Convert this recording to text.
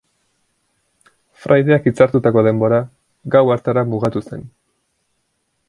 Fraideak hitzartutako denbora gau hartara mugatu zen.